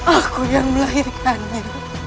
aku yang melahirkannya